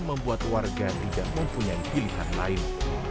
membuat warga tidak mempunyai pilihan lain